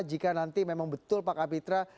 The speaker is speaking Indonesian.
jika nanti memang betul pak kapitra